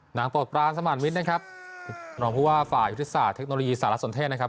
หนังปลดปราณสมรรณวิทย์นะครับรองบุหรภาษามารัยอุทธิศาสตร์เทคโนโลยีสารสนเทศนะครับ